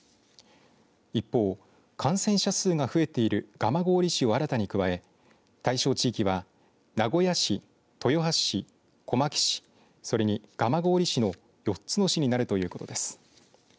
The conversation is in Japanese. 一方、感染者数が増えている蒲郡市を新たに加え対象地域は、名古屋市、豊橋市小牧市、それに蒲郡市の４つ市になるということです。